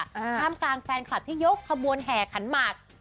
ท่ามกลางแฟนคลับที่ยกขบวนแห่ขันหมาก